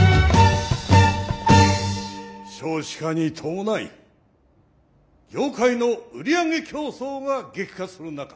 少子化に伴い業界の売り上げ競争が激化する中